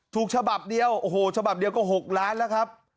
ฉบับเดียวโอ้โหฉบับเดียวก็๖ล้านแล้วครับ